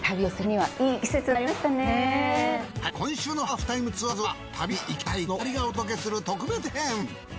はい今週の『ハーフタイムツアーズ』は旅に行きたいこのお二人がお届けする特別編。